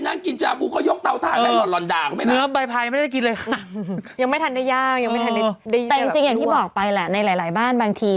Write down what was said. ยังรอนแดกเออปวงลูกกินชาบูอย่างนี้